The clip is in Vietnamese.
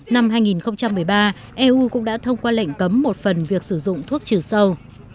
năm hai nghìn một mươi ba eu cũng đã thông qua lệnh cấm một phần việc sử dụng thuốc trừ sâu